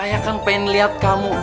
saya kan pengen liat kamu